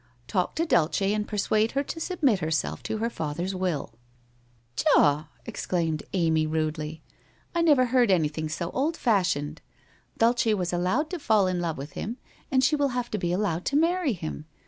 ' Talk to Dulce and persuade her to submit herself to her father's will,' 104 WHITE ROSE OF WEARY LEAF ' Teha !' exclaimed Amy rudely, ' I never heard any thing so old fashioned. Dulce was allowed to fall in love with him, and she will have to be allowed to marry him.